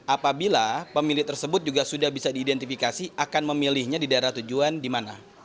apabila pemilih tersebut juga sudah bisa diidentifikasi akan memilihnya di daerah tujuan di mana